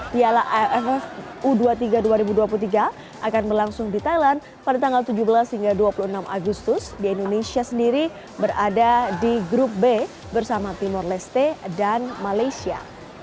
piala aff u dua puluh tiga dua ribu dua puluh tiga akan berlangsung di thailand pada tanggal tujuh belas hingga dua puluh enam agustus di indonesia sendiri berada di grup b bersama timor leste dan malaysia